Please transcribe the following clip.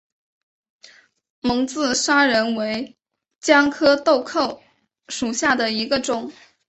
蒙自砂仁为姜科豆蔻属下的一个种。